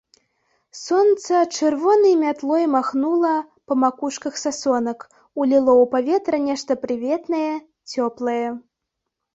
Сонца чырвонай мятлой маханула па макушках сасонак, уліло ў паветра нешта прыветнае, цёплае.